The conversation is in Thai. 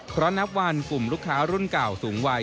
เพราะนับวันกลุ่มลูกค้ารุ่นเก่าสูงวัย